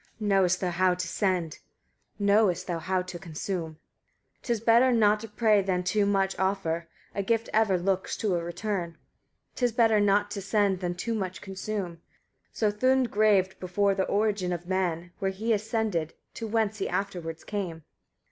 knowest thou how to send? knowest thou how to consume? 147. 'Tis better not to pray than too much offer; a gift ever looks to a return. 'Tis better not to send than too much consume. So Thund graved before the origin of men, where he ascended, to whence he afterwards came.